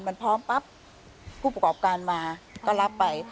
มันพร้อมปั๊บผู้ประกอบการมาก็รับไป